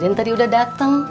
deden tadi udah dateng